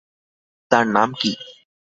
তার নাম কী?